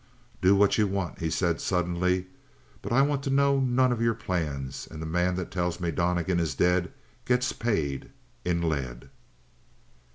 "Do what you want," he said suddenly. "But I want to know none of your plans and the man that tells me Donnegan is dead gets paid in lead!"